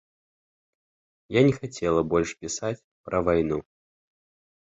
Я не хацела больш пісаць пра вайну.